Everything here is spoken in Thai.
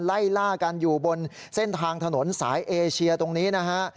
ไล่ล่ากันอยู่บนเส้นทางถนนสายเอเชียตรงนี้นะฮะ